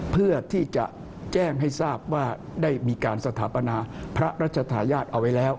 เพื่อที่จะแจ้งให้ทราบว่าได้มีการสถาปนาพระราชทายาทเอาไว้แล้ว